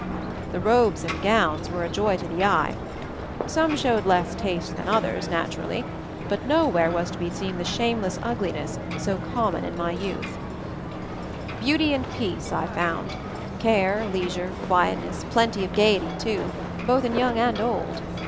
The robes and gowns were a joy to the eye. Some showed less taste than others, naturally, but nowhere was to be seen the shameless ugliness so common in my youth. 270 MOVING THE MOUNTAIN Beauty and peace, I found, care, leisure, quietness, plenty of gaiety, too, both in young and old.